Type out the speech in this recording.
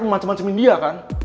memacem macemin dia kan